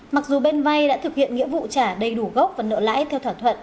mặc dù bên vay đã thực hiện nghĩa vụ trả đầy đủ gốc và nợ lãi theo thỏa thuận